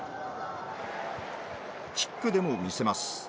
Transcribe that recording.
キックでも見せます。